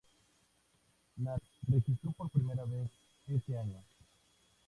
Nat registró por primera vez ese año.